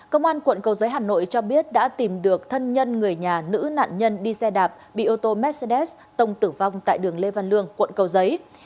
công an quận cầu giấy hà nội cho biết đã tìm được thân nhân người nhà nữ nạn nhân đi xe đạp bị ô tô mercedes tông tử vong tại đường lê văn lương quận cầu giấy